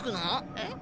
えっ？